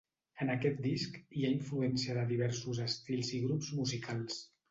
En aquest disc hi ha influència de diversos estils i grups musicals.